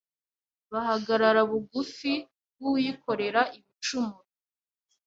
Bahagarara bugufi bw'uwikorera ibicumuro